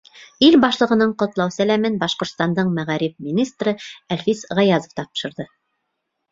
Ил башлығының ҡотлау сәләмен Башҡортостандың мәғариф министры Әлфис Ғаязов тапшырҙы.